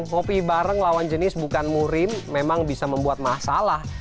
ngopi bareng lawan jenis bukan murim memang bisa membuat masalah